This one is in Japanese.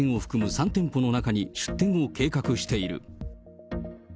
３店舗の中に出店を計画している。